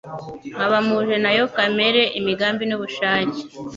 nkaba mpuje na yo kamere, imigambi n'ubushake.